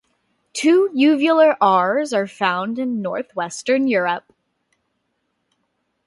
Two uvular Rs are found in north-western Europe.